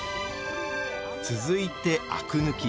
続いてあく抜き。